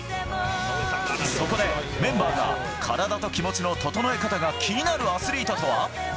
そこで、メンバーがカラダとキモチの整え方が気になるアスリートとは。